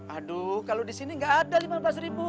aduh kalau di sini nggak ada lima belas ribu